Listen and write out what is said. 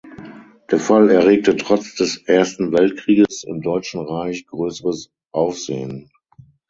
Der Fall erregte trotz des Ersten Weltkrieges im Deutschen Reich größeres Aufsehen.